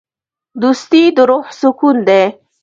دوستي د روح سکون دی.